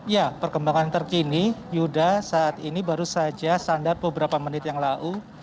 ya perkembangan terkini yudha saat ini baru saja sandat beberapa menit yang lalu